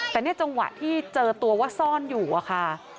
แต่เนี่ยจังหวะที่เจอตัวว่าซ่อนอยู่อะค่ะ